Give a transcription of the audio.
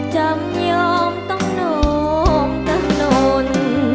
จำยอมต้องนอนกระหน่อน